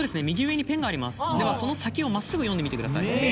右上にペンがありますではその先を真っすぐ読んでみてください。